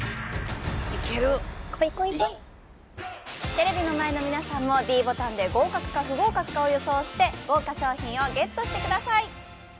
テレビの前の皆さんもｄボタンで合格か不合格かを予想して豪華賞品をＧＥＴしてください